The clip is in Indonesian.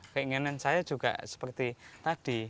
keinginan saya juga seperti tadi